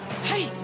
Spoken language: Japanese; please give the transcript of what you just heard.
はい！